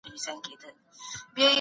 تمرکز په هدفونو بریالیتوب زیاتوي.